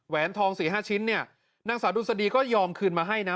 แหวนทองสี่ห้าชิ้นเนี่ยนางศาดุษฎีก็ยอมคืนมาให้นะ